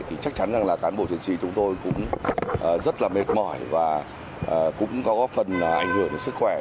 thì chắc chắn rằng là cán bộ chiến sĩ chúng tôi cũng rất là mệt mỏi và cũng có góp phần ảnh hưởng đến sức khỏe